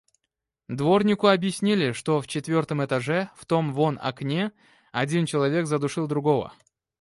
Дворнику объяснили, что в четвертом этаже, в том вон окне, один человек задушил другого.